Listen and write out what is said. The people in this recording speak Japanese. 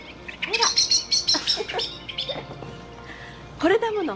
これだもの！